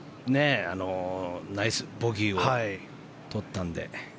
ナイスボギーをとったので。